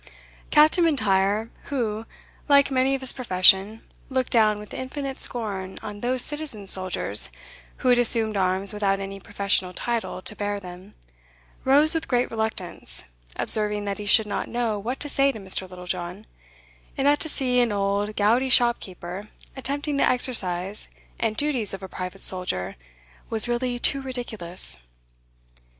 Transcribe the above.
Captain M'Intyre, who, like many of his profession, looked down with infinite scorn on those citizen soldiers who had assumed arms without any professional title to bear them, rose with great reluctance, observing that he should not know what to say to Mr. Littlejohn; and that to see an old gouty shop keeper attempting the exercise and duties of a private soldier, was really too ridiculous.